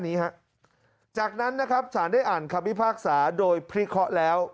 นี้ฮะจากนั้นนะครับสารได้อ่านคำพิพากษาโดยพิเคราะห์แล้ว